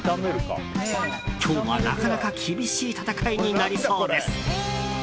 今日はなかなか厳しい戦いになりそうです。